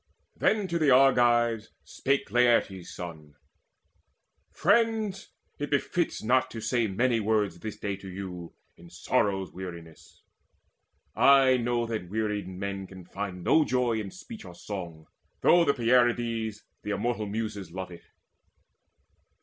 Then to the Argives spake Laertes' son: "Friends, it befits not to say many words This day to you, in sorrow's weariness. I know that wearied men can find no joy In speech or song, though the Pierides, The immortal Muses, love it.